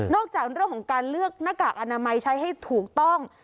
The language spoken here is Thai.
จากเรื่องของการเลือกหน้ากากอนามัยใช้ให้ถูกต้อง